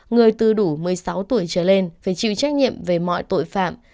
người từ đủ một mươi sáu tuổi trở lên phải chịu trách nhiệm về mọi tội phạm